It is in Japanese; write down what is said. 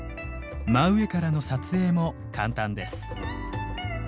真上からの撮影も簡単です。